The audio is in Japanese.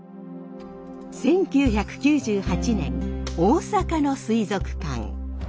１９９８年大阪の水族館。